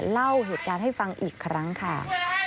เล่าเหตุการณ์ให้ฟังอีกครั้งค่ะ